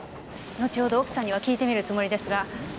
後ほど奥さんには聞いてみるつもりですが。